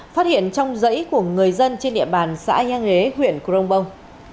phát hiện trong giấy của người dân trên địa bàn xã nha nghế huyện cronbong